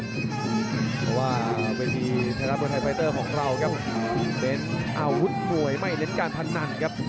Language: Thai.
เพราะว่าเวทีไทยรัฐมวยไทยไฟเตอร์ของเราครับเน้นอาวุธมวยไม่เน้นการพนันครับ